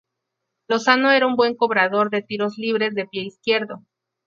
Lozano era un buen cobrador de tiros libres de pie izquierdo.